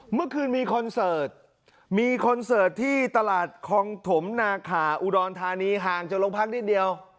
เมื่อคืนมีคอนเสิร์ตมีคอนเสิร์ตที่ตลาดคองถมนาขาอุดรธานีห่างจากโรงพักนิดเดียว